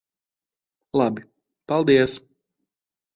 Labi. Paldies.